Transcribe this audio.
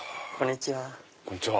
こんにちは。